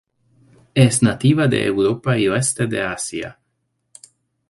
Es nativa de Europa y oeste de Asia.